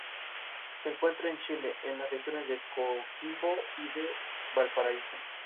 Por debajo del Consejo de Administración se encuentran las direcciones de cada departamento.